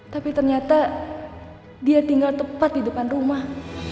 tapi ternyata dia tinggal tepat di depan rumah